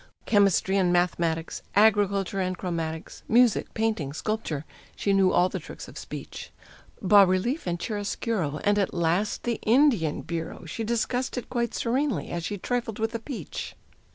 Chemistry and mathematics, agriculture and chromatics, Music, painting, sculpture she knew all the tricks of speech; Bas relief and chiaroscuro, and at last the Indian Bureau She discussed it quite serenely, as she trifled with a peach.